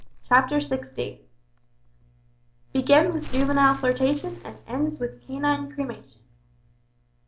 CHAPTER SIXTEEN. BEGINS WITH JUVENILE FLIRTATION, AND ENDS WITH CANINE CREMATION.